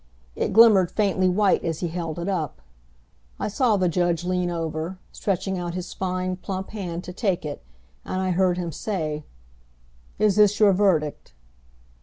It glimmered faintly white as he held it up. I saw the judge lean over, stretching out his fine, plump hand to take it, and I heard him say: "Is this your verdict?"